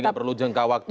jadi gak perlu jangka waktu